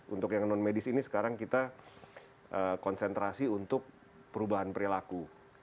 untuk yang non medis ini sekarang kita konsentrasi untuk perubahan perilaku